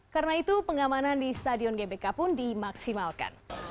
karena itu pengamanan di stadion gbk pun dimaksimalkan